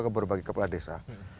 ke berbagai kepala desa